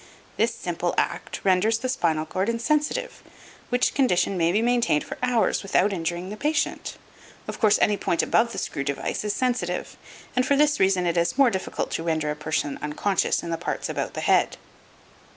This simple act renders the spinal cord insensitive, which condition may be maintained for hours without injuring the patient. Of course any point above the screw device is sensitive, and for this reason it is more difficult to render a person unconscious in the parts about the head.